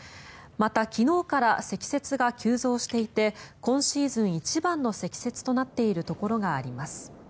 また、昨日から積雪が急増していて今シーズン一番の積雪となっているところがあります。